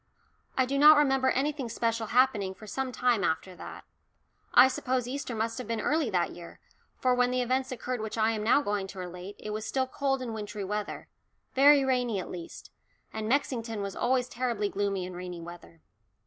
I do not remember anything special happening for some time after that. I suppose Easter must have been early that year, for when the events occurred which I am now going to relate, it was still cold and wintry weather very rainy at least, and Mexington was always terribly gloomy in rainy weather.